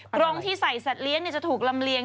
กรงที่ใส่สัตว์เลี้ยงจะถูกลำเลียง